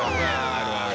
あるある。